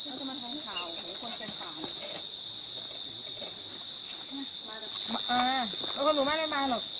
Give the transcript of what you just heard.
อาทิตย์สนุกสว่างราชีกระทั่งบนหมู่